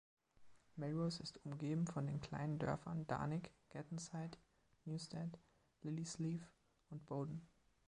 Melrose ist umgeben von den kleinen Dörfern Darnick, Gattonside, Newstead, Lilliesleaf und Bowden.